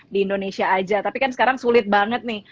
di indonesia aja tapi kan sekarang sulit banget nih